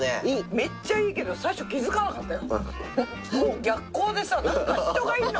めっちゃいいけど最初気づかなかったよ。